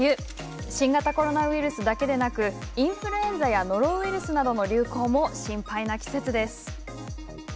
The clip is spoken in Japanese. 新型コロナウイルスだけでなくインフルエンザやノロウイルスなどの流行も心配な季節です。